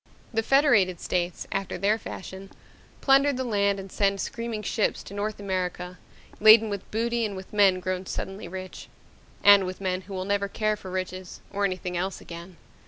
The Federated States, after their fashion, plunder the land and send screaming ships to North America laden with booty and with men grown suddenly rich and with men who will never care for riches or anything else again.